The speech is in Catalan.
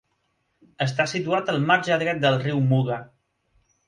Està situat al marge dret del riu Muga.